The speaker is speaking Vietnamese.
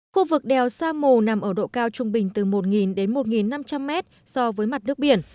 khu vực đèo sa mù nằm ở độ cao trung bình từ một đến một năm trăm linh mét so với mặt nước biển